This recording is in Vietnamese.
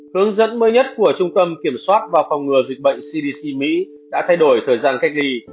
hướng dẫn mới nhất của trung tâm kiểm soát và phòng ngừa dịch bệnh cdc mỹ đã thay đổi thời gian cách ly